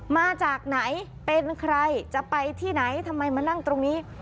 มาจากไหนเป็นใครจะไปที่ไหนทำไมมานั่งตรงนี้